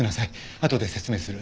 あとで説明する。